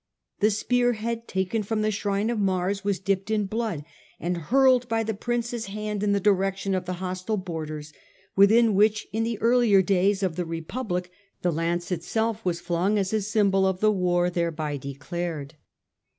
The spear northern head taken from the shrine of Mars was dipped in blood and hurled by the prince's hand in the direction of the hostile borders, within which in the earlier days of the Republic the lance itself was flung as a symbol of the war thereby declared.